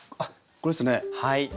これですね。